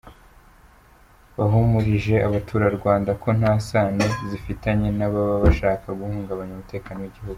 Bahumurije abaturarwanda ko nta sano zifitanye n’ababa bashaka guhungabanya umutekano w’igihugu.